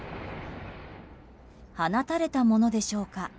放たれたものでしょうか。